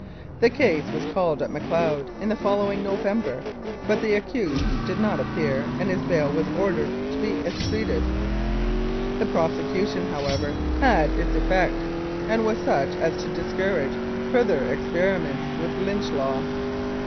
The case was called at Macleod in the following November, but the accused did not appear, and his bail was ordered to be estreated. The prosecution, however, had its effect, and was such as to discourage further experiments with Lynch Law.